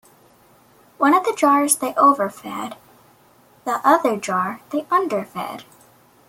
One of the jars they overfed, the other jar they underfed.